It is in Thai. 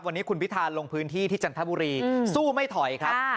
วันนี้คุณพิธาลงพื้นที่ที่จันทบุรีสู้ไม่ถอยครับ